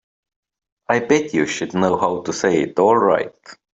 I bet you she'd know how to say it all right.